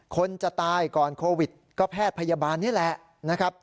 คนจะตายก่อนโควิดก็แพทย์พยาบาลนี่แหละนะครับ